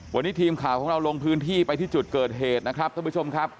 วันนี้ทีมข่าวของเราลงพื้นที่ไปที่จุดเกิดเหตุนะครับท่านผู้ชมครับ